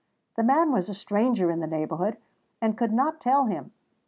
The man was a stranger in the neighbourhood, and could not tell him.